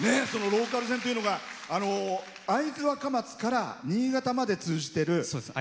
ローカル線というのが会津若松から新潟まで通じてる。